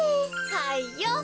はいよ！